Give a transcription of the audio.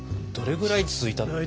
どれぐらい続いた。